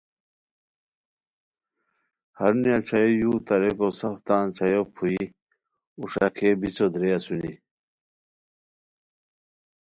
ہرونیہ چایو یو تاریکو سف تان چایو پھوئی اوݰاکے بیڅو درے اسونی